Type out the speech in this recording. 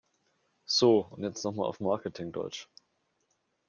So, und jetzt noch mal auf Marketing-Deutsch!